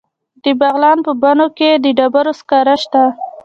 د بغلان په بنو کې د ډبرو سکاره شته.